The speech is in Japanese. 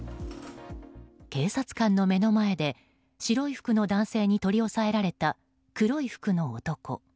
警察官の目の前で白い服の男性に取り押さえられた黒い服の男。